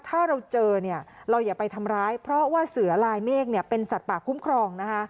ถ้าเราเจอเนี่ยเราอย่าไปทำร้ายเพราะว่าเสือลายเมฆเป็นสัตว์ป่าคุ้มครองนะคะ